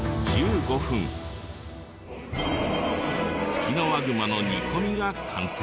ツキノワグマの煮込みが完成。